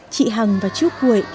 chị hằng và chú quệ